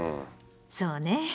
そうね。